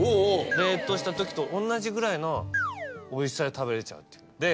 冷凍したときと同じぐらいのおいしさで食べれちゃう。